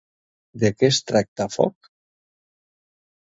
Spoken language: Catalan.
De què es tracta Fog?